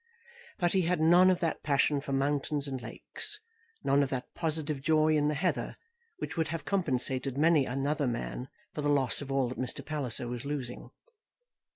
But he had none of that passion for mountains and lakes, none of that positive joy in the heather, which would have compensated many another man for the loss of all that Mr. Palliser was losing.